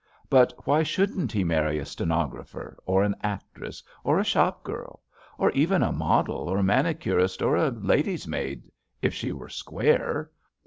But why shouldn't he marry a stenographer, or an actress, or a shop girl ? Or even a model or manicurist or a lady's maid, if she were square?